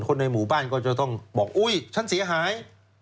ในหมู่บ้านก็จะต้องบอกอุ๊ยฉันเสียหาย